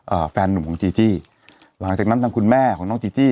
แฟนหนุ่มของจีจี้หลังจากนั้นทางคุณแม่ของน้องจีจี้